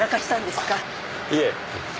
いえ。